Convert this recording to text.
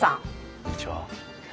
こんにちは。